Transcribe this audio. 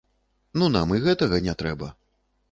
Ну нам і гэтага не трэба.